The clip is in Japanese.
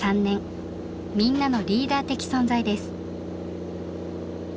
みんなのリーダー的存在です。